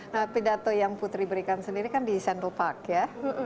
nah pidato yang putri berikan sendiri kan di central park ya